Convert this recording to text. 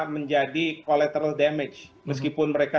menjadi collateral damage meskipun mereka